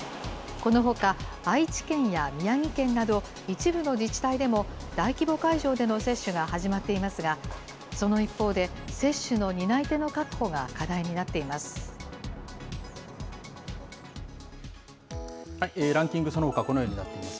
このほか、愛知県や宮城県など、一部の自治体でも大規模会場の接種が始まっていますが、その一方で、接種の担い手の確保が課題になっています。